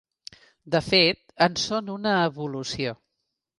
De fet, en són una evolució.